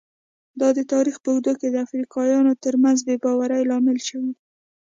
دا د تاریخ په اوږدو کې د افریقایانو ترمنځ بې باورۍ لامل شوي.